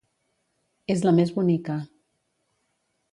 És la més bonica.